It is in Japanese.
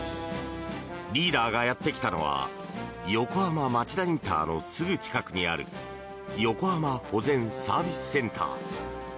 リーダーがやってきたのは横浜町田ＩＣのすぐ近くにある横浜保全・サービスセンター。